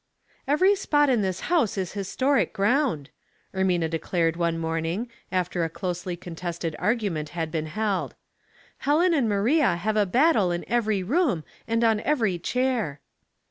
"Every spot in this house is historic ground," Ermina declared one morning, after a closely contested argument had been held. *' Helen and Maria have a battle in every room and on every chair."